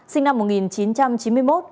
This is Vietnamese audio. sinh năm một nghìn chín trăm chín mươi một